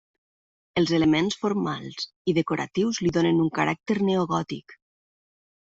Els elements formals i decoratius li donen un caràcter neogòtic.